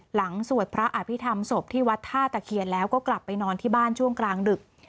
สวดพระอภิษฐรรมศพที่วัดท่าตะเคียนแล้วก็กลับไปนอนที่บ้านช่วงกลางดึก